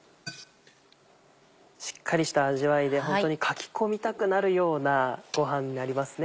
しっかりした味わいでホントにかき込みたくなるようなご飯になりますね。